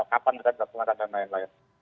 kapan kita bisa pengatakan dan lain lain